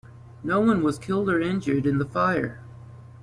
No one was killed or injured in the fire.